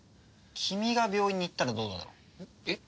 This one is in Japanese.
君が病院に行ったらどうだろう？えっ？